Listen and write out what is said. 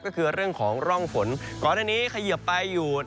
ก็คือเรื่องของร่องฝนก่อนอันนี้เขยิบไปอยู่